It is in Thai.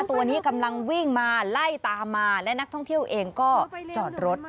ตัวนี้กำลังวิ่งมาไล่ตามมาและนักท่องเที่ยวเองก็จอดรถ